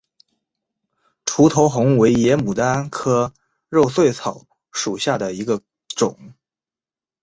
楮头红为野牡丹科肉穗草属下的一个种。